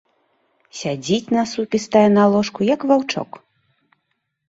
Сядзіць насупістая на ложку, як ваўчок.